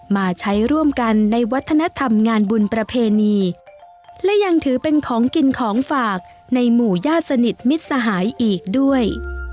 มาใช้ร่วมกันในวัฒนธรรมงานบุญประเพณีและยังถือเป็นของกินของฝากในหมู่ญาติสนิทมิตรสหายอีกด้วย